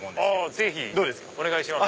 ぜひお願いします！